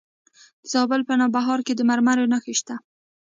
د زابل په نوبهار کې د مرمرو نښې شته.